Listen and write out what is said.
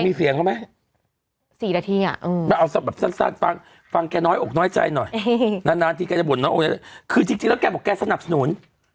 มีเสียงเขาไหม๔นาทีอ่ะเอาแบบสั้นฟังฟังแกน้อยอกน้อยใจหน่อยนานทีแกจะบ่นน้อยคือจริงแล้วแกบอกแกสนับสนุน